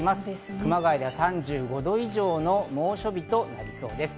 熊谷では３５度以上の猛暑日となりそうです。